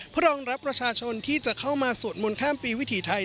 เพื่อรองรับประชาชนที่จะเข้ามาสวดมนต์ข้ามปีวิถีไทย